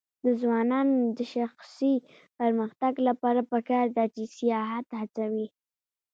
د ځوانانو د شخصي پرمختګ لپاره پکار ده چې سیاحت هڅوي.